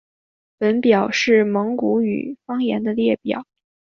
本表是蒙古语方言的列表。